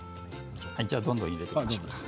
どんどん入れていきましょうか。